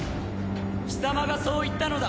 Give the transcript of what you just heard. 貴様がそう言ったのだ。